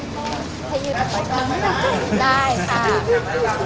โดยการเข้าให้ข้อมูลของคุณแพทย์ในวันนี้นะคะก็